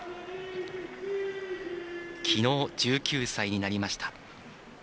きのう１９歳になりました。